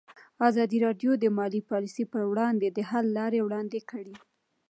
ازادي راډیو د مالي پالیسي پر وړاندې د حل لارې وړاندې کړي.